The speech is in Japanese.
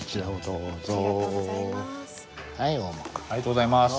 ありがとうございます。